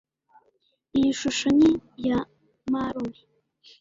Iyi shusho ni ya marume